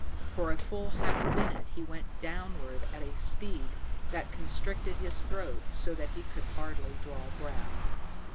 For a full half minute he went downward at a speed that constricted his throat so that he could hardly draw breath.